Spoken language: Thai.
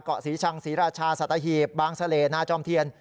เกาะศรีชังศรีราชาสตะหีบบางสะเลหน้าจอมเทียน